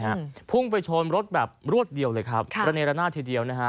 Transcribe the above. ฮะพุ่งไปชนรถแบบรวดเดียวเลยครับค่ะระเนรนาศทีเดียวนะฮะ